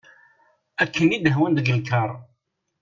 Akken i d-hwan deg lkar.